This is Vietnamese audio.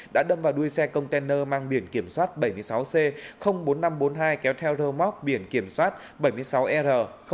đã đâm vào đuôi xe container mang biển kiểm soát bảy mươi sáu c bốn nghìn năm trăm bốn mươi hai kéo theo rơ móc biển kiểm soát bảy mươi sáu r hai trăm tám mươi chín